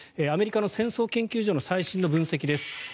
アメリカの戦争研究所の最新の分析です。